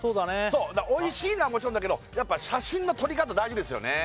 そうおいしいのはもちろんだけどやっぱ写真の撮り方大事ですよね